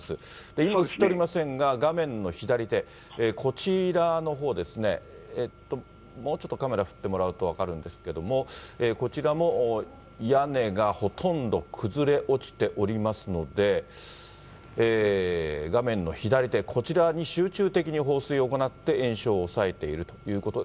今映っておりませんが、画面の左手、こちらのほうですね、もうちょっとカメラ振ってもらうと分かるんですけども、こちらも屋根がほとんど崩れ落ちておりますので、画面の左手、こちらに集中的に放水を行って、延焼を抑えているということ。